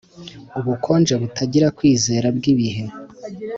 ubukonje butagira kwizera bwibihe;